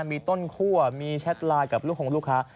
มีต้นคั่วมีแชทไลน์กับลูกของลูกค้า